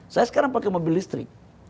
saya sekarang pakai mobil listrik